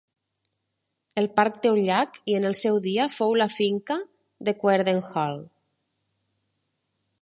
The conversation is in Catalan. El parc té un llac i en el seu dia fou la finca de Cuerden Hall.